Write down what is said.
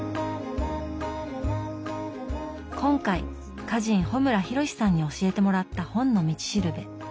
今回歌人・穂村弘さんに教えてもらった「本の道しるべ」。